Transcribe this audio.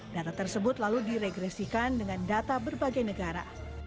data tersebut lalu diregresikan dengan data berbagai negara